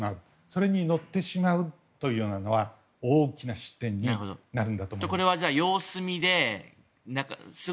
それに乗ってしまうというようなのは大きな失点になると思います。